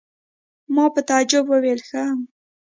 ما په تعجب وویل: ښه!